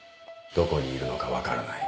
「どこにいるのかわからない。